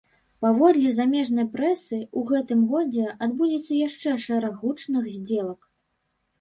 Паводле замежнай прэсы, у гэтым годзе адбудзецца яшчэ шэраг гучных здзелак.